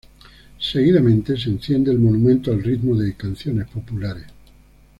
Seguidamente se enciende el monumento al ritmo de canciones populares.